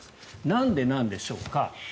なんでなんでしょうか。